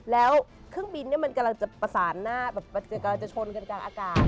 แล้วเครื่องบินมันกำลังจะประสานหน้ากำลังจะชนกันกลางอากาศ